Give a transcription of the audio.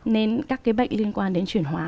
nên các cái bệnh liên quan đến chuyển hóa